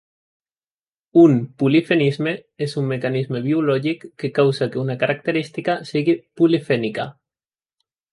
Un polifenisme és un mecanisme biològic que causa que una característica sigui polifènica.